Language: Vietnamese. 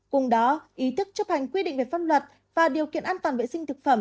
cùng đó ý thức chấp hành quy định về pháp luật và điều kiện an toàn vệ sinh thực phẩm